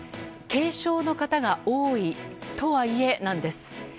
軽症の方が多いとはいえなんです。